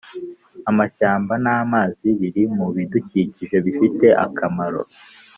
Amashyamba namazi biri mu bidukikije bifite akamaro